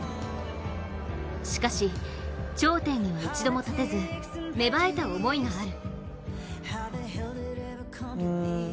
しかし、頂点には一度も立てず芽生えた思いがある。